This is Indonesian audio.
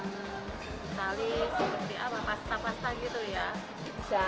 dan sekali seperti apa pasta pasta gitu ya